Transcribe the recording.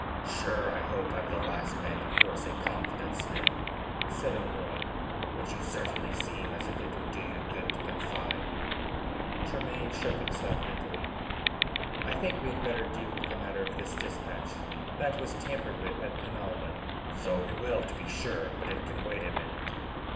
"Sure I hope I am the last man to force a confidence, Ned," said O'Moy. "But you certainly seem as if it would do you good to confide." Tremayne shook himself mentally. "I think we had better deal with the matter of this dispatch that was tampered with at Penalva." "So we will, to be sure. But it can wait a minute."